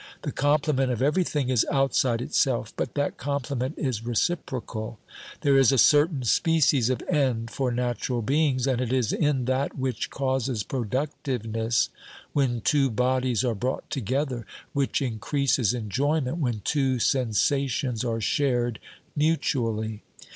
The complement of everything is outside itself, but that complement is reciprocal. There is a certain species of end for natural beings, and it is in that which causes productiveness when two bodies are brought together, which increases enjoyment when two sensations are shared mutually.